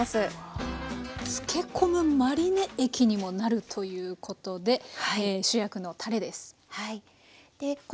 漬け込むマリネ液にもなるということで主役のたれです。